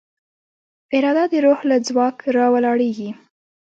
اراده د روح له ځواک راولاړېږي.